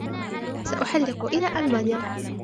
سأُحَلِق إلى المانيا.